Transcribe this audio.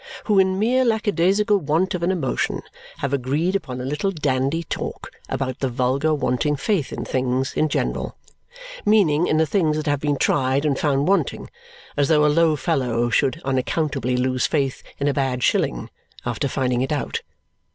Who in mere lackadaisical want of an emotion have agreed upon a little dandy talk about the vulgar wanting faith in things in general, meaning in the things that have been tried and found wanting, as though a low fellow should unaccountably lose faith in a bad shilling after finding it out!